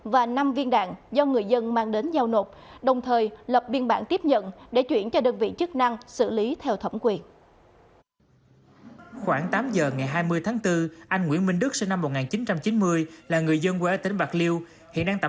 và năm viên đạn do người dân mang đến giao nộp đồng thời lập biên bản tiếp nhận để chuyển cho đơn vị